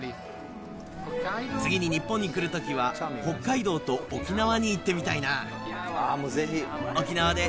次に日本に来るときは、北海道と沖縄に行ってみたいな。